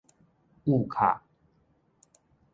焐卡